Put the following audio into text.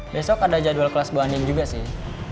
besok ada jadwal kelas bu andien juga sih